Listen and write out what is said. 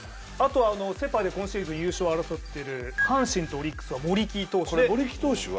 セ・パで今シーズン優勝を争っている阪神とオリックスは森木投手で。